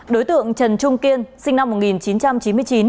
đối tượng trần trung kiên sinh năm một nghìn chín trăm bảy mươi